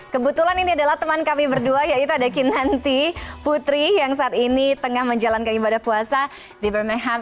kebetulan ini adalah teman kami berdua yaitu ada kinanti putri yang saat ini tengah menjalankan ibadah puasa di birmingham